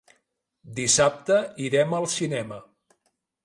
Dissabte irem al cinema.